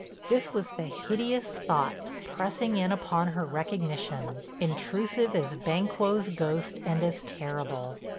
This was the hideous thought, pressing in upon her recognition, intrusive as Banquo's ghost and as terrible.